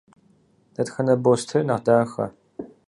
Дэтхэнэ бостейр нэхъ дахэ?